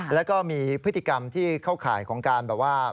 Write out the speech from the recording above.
แล้วก็มีพฤติกรรมที่เข้าข่ายของการแบบว่า